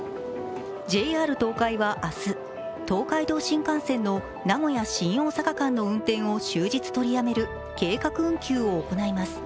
ＪＲ東海は明日、東海道新幹線の名古屋−新大阪間の運転を終日取りやめる計画運休を行います。